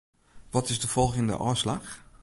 Wat is de folgjende ôfslach?